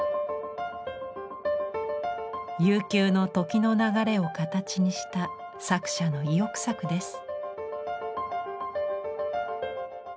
悠久の時の流れを形にした作者の意欲作です。